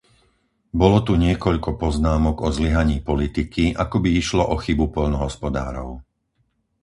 Bolo tu niekoľko poznámok o zlyhaní politiky, ako by išlo o chybu poľnohospodárov.